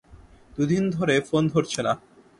দুদিন ধরে ফোন ধরছে না।